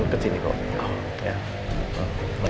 kenapa bedtime kayaknya tentang